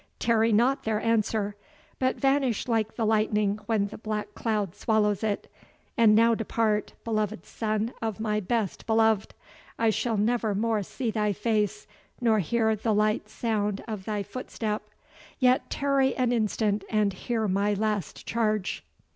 Tarry not their answer, but vanish like the lightning when the black cloud swallows it. And now depart, beloved son of my best beloved! I shall never more see thy face, nor hear the light sound of thy footstep yet tarry an instant and hear my last charge.